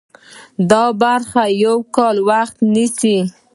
دا برخه یو کال وخت نیسي.